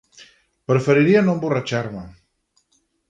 Preferiria no emborratxar-me.